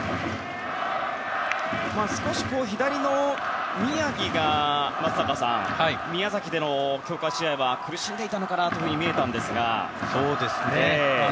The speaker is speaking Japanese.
少し、左の宮城が宮崎での強化試合では苦しんでいたのかなというふうに見えたんですが。